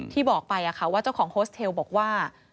ที่บอกไปว่าเจ้าของโฮสเทลบอกว่า